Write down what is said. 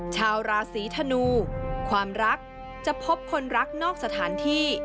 ชาวราศีธนูความรักจะพบคนรักนอกสถานที่